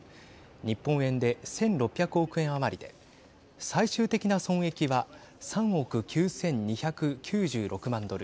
日本円で１６００億円余りで最終的な損益は３億９２９６万ドル。